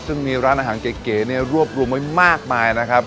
ซึ่งมีร้านอาหารเก๋เนี่ยรวบรวมไว้มากมายนะครับ